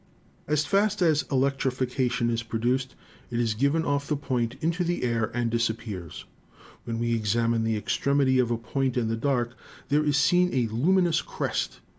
As fast as electrification is produced, it is given off the point into the air and disappears. When we examine the extremity of a point in the dark, there is seen a luminous crest.